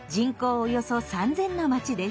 およそ３，０００の町です。